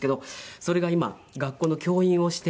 それが今学校の教員をしていて。